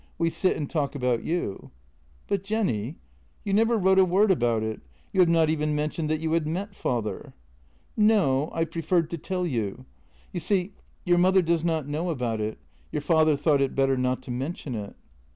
We sit and talk about you." " But, Jenny, you never wrote a word about it; you have not even mentioned that you had met father." "No; I preferred to tell you. You see, your mother does not know about it; your father thought it better not to men tion it."